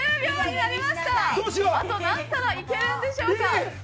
あと何皿いけるんでしょうか。